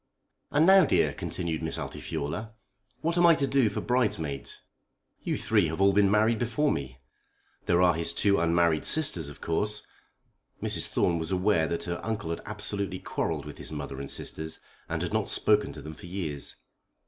"And now, dear;" continued Miss Altifiorla, "what am I to do for bridesmaids? You three have all been married before me. There are his two unmarried sisters of course." Mrs. Thorne was aware that her uncle had absolutely quarrelled with his mother and sisters, and had not spoken to them for years.